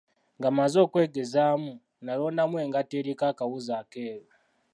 Nga mazze okwegezaamu, nalondamu engatto eriko akawuzi akeeru.